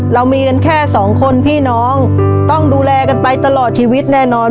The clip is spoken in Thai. เรามีกันแค่สองคนพี่น้องต้องดูแลกันไปตลอดชีวิตแน่นอน